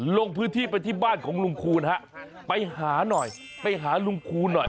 ลงพื้นที่ไปที่บ้านของลุงคูณฮะไปหาหน่อยไปหาลุงคูณหน่อย